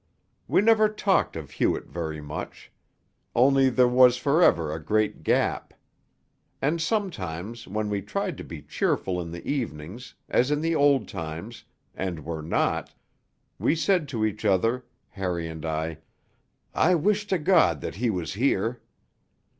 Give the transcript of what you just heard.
We never talked of Hewett very much. Only there was for ever a great gap. And sometimes, when we tried to be cheerful in the evenings, as in the old times, and were not, we said to each other Harry and I 'I wish to God that he was here.'